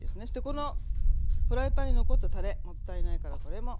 このフライパンに残ったたれもったいないからこれも。